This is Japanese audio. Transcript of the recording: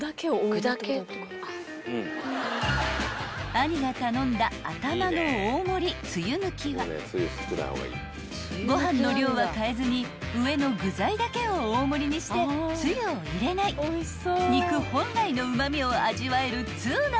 ［兄が頼んだアタマの大盛つゆ抜きはご飯の量は変えずに上の具材だけを大盛にしてつゆを入れない肉本来のうま味を味わえる通なオーダー］